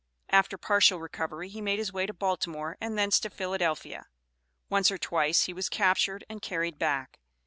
After partial recovery he made his way to Baltimore and thence to Philadelphia. Once or twice he was captured and carried back.